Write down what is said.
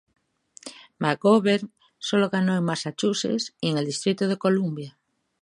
McGovern solo ganó en Massachusetts y en el Distrito de Columbia.